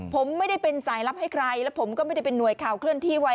ผมไม่ได้เป็นสายลับให้ใครแล้วผมก็ไม่ได้เป็นห่วยข่าวเคลื่อนที่ไว้